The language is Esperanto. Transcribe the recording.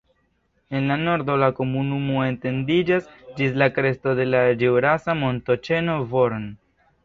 En nordo la komunumo etendiĝas ĝis la kresto de la ĵurasa montoĉeno Born.